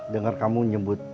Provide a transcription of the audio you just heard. dengar kamu nyebut